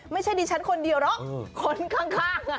ไม่ใช่ดิฉันคนเดียวหรอกคนข้าง